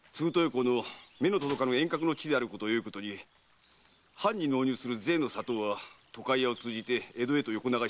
公の目の届かぬ遠隔の地であるのをよいことに藩に納入する税の砂糖は渡海屋を通じ江戸へと横流しされてます。